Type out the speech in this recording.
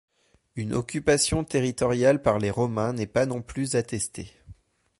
Une occupation territoriale par les Romains n’est pas non plus attestée.